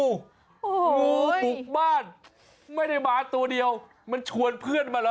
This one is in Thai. งูบุกบ้านไม่ได้มาตัวเดียวมันชวนเพื่อนมาเหรอ